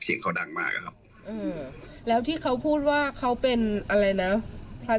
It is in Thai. เสียงเขาดังมากอะครับเออแล้วที่เขาพูดว่าเขาเป็นอะไรนะพระ